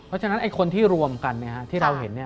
เพราะฉะนั้นคนที่รวมกันที่เราเห็น